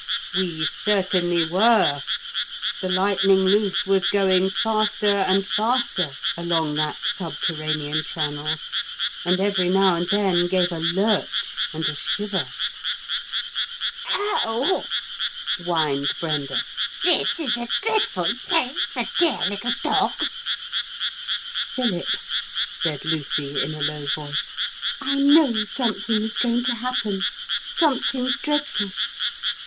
We certainly were. The Lightning Loose was going faster and faster along that subterranean channel, and every now and then gave a lurch and a shiver. 'Oh!' whined Brenda; 'this is a dreadful place for dear little dogs!' 'Philip!' said Lucy in a low voice, 'I know something is going to happen. Something dreadful.